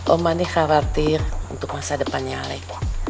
oma nih khawatir untuk masa depannya alex